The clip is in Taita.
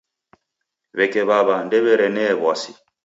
W'eke W'aw'a ndew'erenee w'asi.